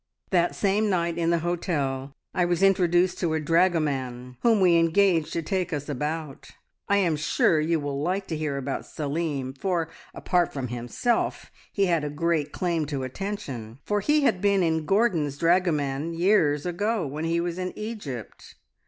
"That same night in the hotel I was introduced to a dragoman, whom we engaged to take us about. I am sure you will like to hear about Salim, for, apart from himself, he had a great claim to attention, for he had been Gordon's dragoman years ago when he was in Egypt.